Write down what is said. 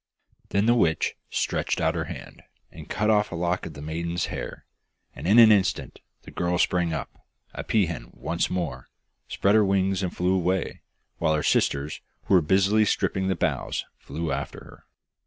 Then the witch stretched out her hand, and cut off a lock of the maiden's hair, and in an instant the girl sprang up, a pea hen once more, spread her wings and flew away, while her sisters, who were busily stripping the boughs, flew after her.